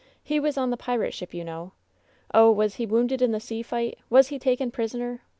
He was on the pirate ship, you know! Oh, was he wounded in the sea fight? Was he taken prisoner?